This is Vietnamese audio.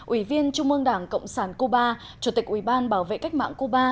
ủy viên trung ương đảng cộng sản cuba chủ tịch ủy ban bảo vệ cách mạng cuba